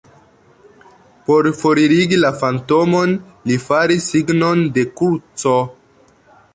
Por foririgi la fantomon, li faris signon de kruco.